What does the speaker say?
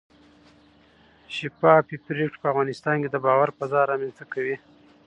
شفافې پرېکړې په افغانستان کې د باور فضا رامنځته کوي